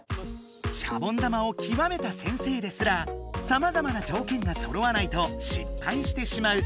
シャボン玉を極めた先生ですらさまざまなじょうけんがそろわないとしっぱいしてしまう